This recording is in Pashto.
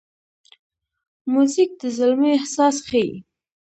موزیک د زلمي احساس ښيي.